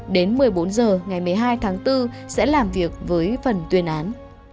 đến một mươi bốn h ngày một mươi hai tháng bốn sẽ làm việc với phần tuyên án